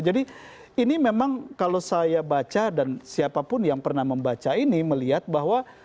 jadi ini memang kalau saya baca dan siapapun yang pernah membaca ini melihat bahwa